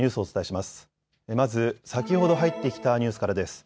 まず先ほど入ってきたニュースからです。